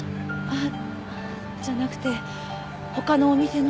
あっじゃなくて他のお店の。